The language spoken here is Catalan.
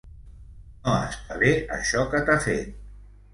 No està bé això que t'ha fet.